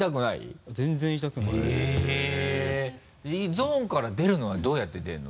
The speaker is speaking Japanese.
ゾーンから出るのはどうやって出るの？